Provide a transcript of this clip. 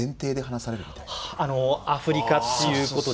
あのアフリカっていうことで？